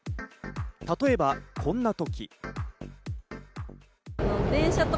例えばこんな時。